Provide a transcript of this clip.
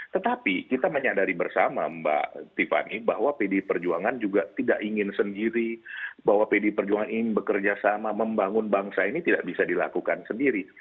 tetapi kita menyadari bersama mbak tiffany bahwa pdi perjuangan juga tidak ingin sendiri bahwa pdi perjuangan ingin bekerja sama membangun bangsa ini tidak bisa dilakukan sendiri